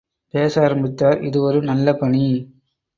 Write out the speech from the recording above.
பேச ஆரம்பித்தார் இது ஒரு நல்ல பணி.